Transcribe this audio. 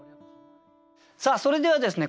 さあそれではですね